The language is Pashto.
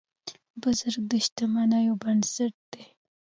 بزګر د شتمنیو بنسټ دی